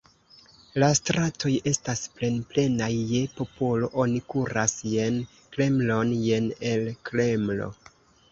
La stratoj estas plenplenaj je popolo, oni kuras jen Kremlon, jen el Kremlo.